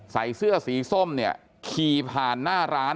ใส่เสื้อสีส้มเนี่ยขี่ผ่านหน้าร้าน